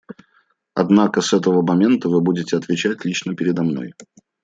Однако с этого момента вы будете отвечать лично передо мной.